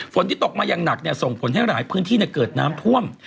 ที่ตกมาอย่างหนักส่งผลให้หลายพื้นที่เกิดน้ำท่วม